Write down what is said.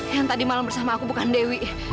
yang tadi malam bersama aku bukan dewi